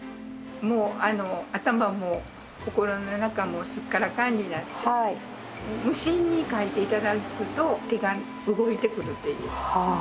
もう頭も心の中もすっからかんになって無心に描いていただくと手が動いてくるっていう。